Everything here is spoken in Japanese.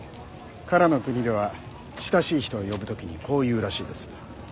唐の国では親しい人を呼ぶ時にこう言うらしいです。